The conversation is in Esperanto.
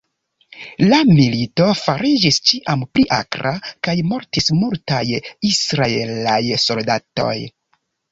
La milito fariĝis ĉiam pli akra, kaj mortis multaj Israelaj soldatoj.